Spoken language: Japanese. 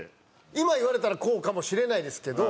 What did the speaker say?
今言われたらこうかもしれないですけど。